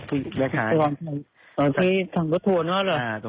เหลือเจ้ากาลนาธนาคารกฎศิกรไทย